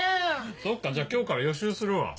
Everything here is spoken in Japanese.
そっかじゃあ今日から予習するわ。